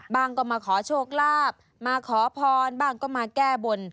ก็มาขอโชคลาภมาขอพรบ้างก็มาแก้บน